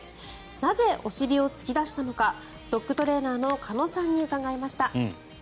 なぜ、お尻を突き出したのかドッグトレーナーの鹿野さんに伺いました。